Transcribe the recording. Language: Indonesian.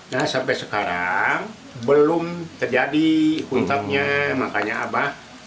nah sampai sekarang belum terjadi untapnya makanya apa